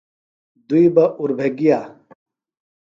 دُئی بہ اُربھےۡ گِیہ۔